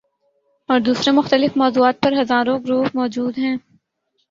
اور دوسرے مختلف موضوعات پر ہزاروں گروپ موجود ہیں۔